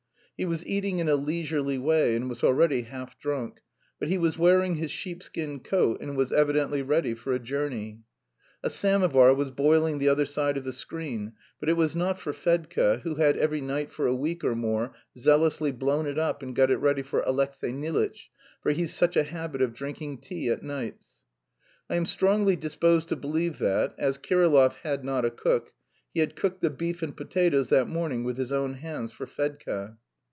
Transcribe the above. He was eating in a leisurely way and was already half drunk, but he was wearing his sheep skin coat and was evidently ready for a journey. A samovar was boiling the other side of the screen, but it was not for Fedka, who had every night for a week or more zealously blown it up and got it ready for "Alexey Nilitch, for he's such a habit of drinking tea at nights." I am strongly disposed to believe that, as Kirillov had not a cook, he had cooked the beef and potatoes that morning with his own hands for Fedka.